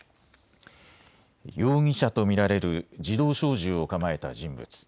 容疑者と見られる自動小銃を構えた人物。